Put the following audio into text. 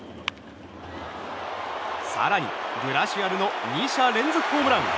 更に、グラシアルの２者連続ホームラン。